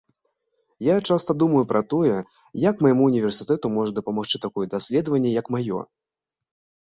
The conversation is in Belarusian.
Я часта думаю пра тое, як майму універсітэту можа дапамагчы такое даследаванне, як мае.